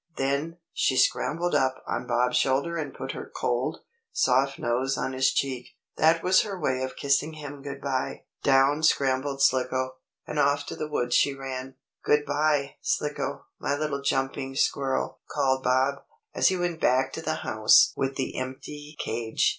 Then, she scrambled up on Bob's shoulder and put her cold, soft nose on his cheek. That was her way of kissing him good bye. Down scrambled Slicko, and off to the woods she ran. "Good bye, Slicko, my little jumping squirrel!" called Bob, as he went back to the house with the empty cage.